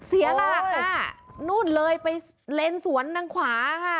เสียหลักนู่นเลยไปเลนสวนทางขวาค่ะ